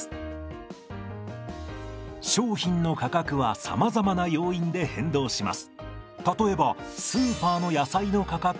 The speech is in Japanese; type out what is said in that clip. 商品の価格はさまざまな要因で変動します。